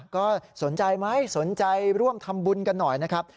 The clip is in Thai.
ก็สนใจไหมสนใจร่วมทำบุญกันหน่อยนะครับ